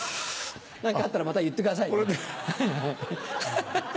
何かあったらまた言ってくださいねハハハ。